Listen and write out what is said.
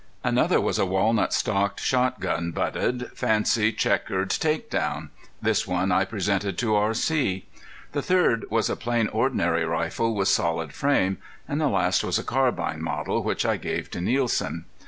Another was a walnut stocked, shot gun butted, fancy checkered take down. This one I presented to R.C. The third was a plain ordinary rifle with solid frame. And the last was a carbine model, which I gave to Nielsen.